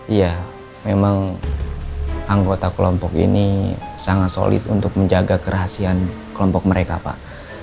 iya memang anggota kelompok ini sangat solid untuk menjaga kerahasian kelompok mereka pak